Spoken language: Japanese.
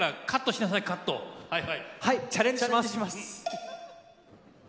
チャレンジします。